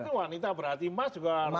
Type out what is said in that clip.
itu wanita berhati hati mas juga resmi